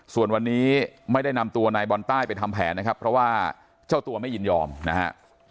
ส่วนวันนี้ไม่ได้นำตัวนายบอลใต้ไปทำแผนนะครับเพราะว่าเจ้าตัวไม่ยินยอมนะฮะ